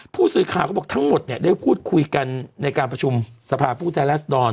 ผู้สื่อข่าวก็บอกทั้งหมดเนี่ยได้พูดคุยกันในการประชุมสภาพผู้แทนรัศดร